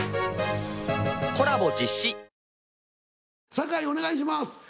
酒井お願いします。